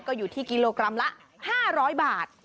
ก็อยู่ที่กิโลกรัมละ๕๐๐บาท